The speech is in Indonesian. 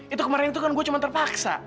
itu kemarin itu kan gue cuma terpaksa